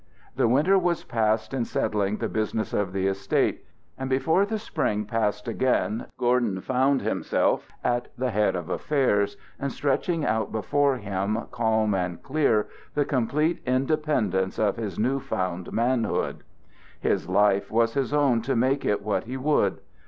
The winter was passed in settling the business of the estate, and before the spring passed again Gordon found himself at the head of affairs, and stretching out before him, calm and clear, the complete independence of his new found manhood. His life was his own to make it what he would.